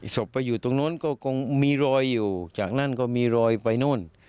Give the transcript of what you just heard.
ศพไปอยู่ตรงนู้นก็คงมีรอยอยู่จากนั้นก็มีรอยไปนู่น